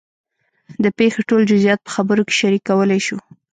د پېښې ټول جزیات په خبرو کې شریکولی شو.